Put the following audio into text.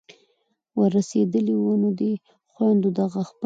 ور رسېدلي وو نو دې خویندو دغه خپل